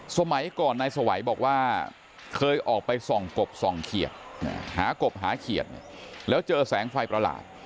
สมัยก่อนนายสวัยบอกว่าเคยออกไปส่องกบส่องเขียดหากบหาเขียดเนี่ยแล้วเจอแสงไฟประหลาด